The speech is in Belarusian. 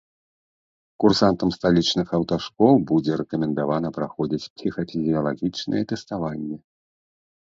Курсантам сталічных аўташкол будзе рэкамендавана праходзіць псіхафізіалагічнае тэставанне.